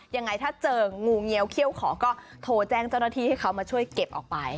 ยังไงถ้าเจองูเงี้ยวเขี้ยวขอก็โทรแจ้งเจ้าหน้าที่ให้เขามาช่วยเก็บออกไป